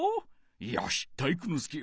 よし体育ノ介よ！